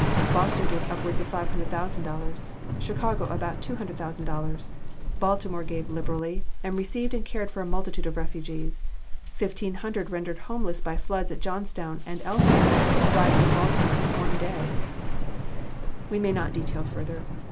Boston gave upwards of $500,000, Chicago about $200,000, Baltimore gave liberally, and received and cared for a multitude of refugees. Fifteen hundred rendered homeless by floods at Johnstown and elsewhere arrived in Baltimore in one day. We may not detail further.